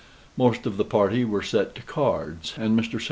Most of the party were set to cards, and Mr. St.